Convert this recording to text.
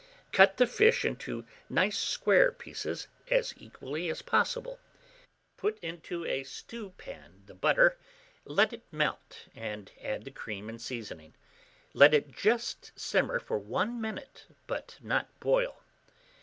Cut the flesh into nice square pieces, as equally as possible; put into a stewpan the butter, let it melt, and add the cream and seasoning; let it just simmer for one minute, but not boil.